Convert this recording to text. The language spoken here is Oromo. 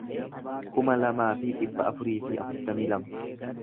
kuma lamaa fi dhibba afurii fi afurtamii lama